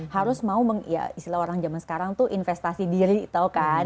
harus mau ya istilah orang zaman sekarang tuh investasi diri tau kan